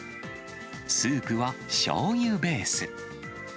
スープはしょうゆベース。